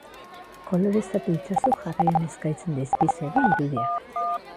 Koloreztatu itzazu jarraian eskaintzen dizkizugun irudiak.